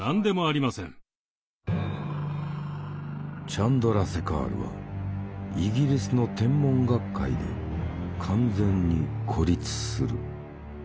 チャンドラセカールはイギリスの天文学会で完全に孤立する。